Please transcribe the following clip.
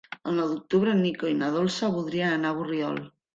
El nou d'octubre en Nico i na Dolça voldrien anar a Borriol.